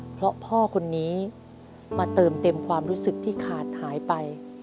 เพราะพ่อคนนี้มาเติมเต็มความรู้สึกที่ขาดหายไป